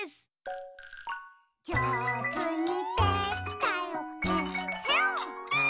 「じょうずにできたよえっへん」